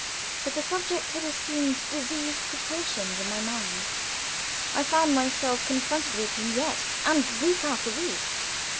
But the subject had assumed diseased proportions in my mind. I found myself confronted with him yet, and week after week.